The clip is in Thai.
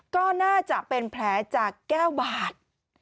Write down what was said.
ก็น่าจะเป็นแผลจากแก้วบาด